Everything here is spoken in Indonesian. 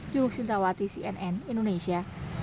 juruksintawati cnn indonesia